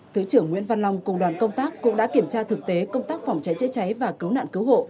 thứ trưởng nguyễn văn long cùng đoàn công tác cũng đã kiểm tra thực tế công tác phòng cháy chữa cháy và cứu nạn cứu hộ